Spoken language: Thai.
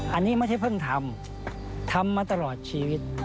อันนี้ไม่ใช่เพิ่งทำทำมาตลอดชีวิต